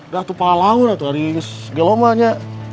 gak ada yang mengalahin itu ada yang mengelomanya